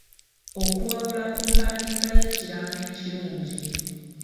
Okuwabula ku mpandiika y'ekiraamo ekirungi.